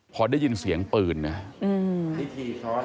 พอได้ยินเสียงปืนนะ